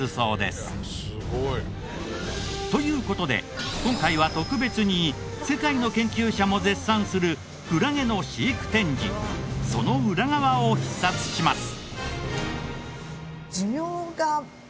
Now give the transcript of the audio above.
すごい。という事で今回は特別に世界の研究者も絶賛するクラゲの飼育展示その裏側を視察します。